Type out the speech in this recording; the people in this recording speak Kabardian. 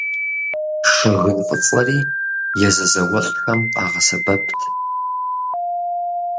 Шэгын фӏыцӏэри езы зауэлӏхэм къагъэсэбэпт.